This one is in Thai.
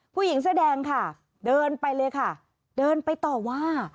ผู้หญิงเสื้อแดงค่ะเดินไปเลยค่ะเดินไปต่อว่า